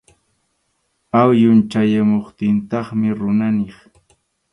Awyun chayamuptintaqmi runa niq.